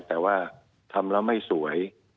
แต่ว่าทำแล้วไม่สวย